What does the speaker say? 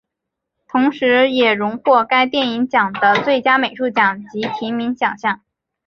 同时也荣获该电影奖的最佳美术奖及提名奖项。